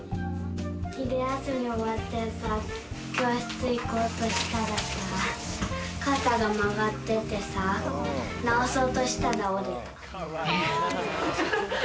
昼休み終わって教室行こうとしたらさ、傘が曲がっててさ、直そうとしたら折れた。